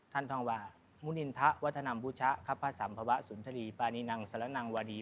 ท่านทองว่ามุนินทะวัฒนบุชะครับพระสัมภาวะสุนทรีปานินังสรนังวดี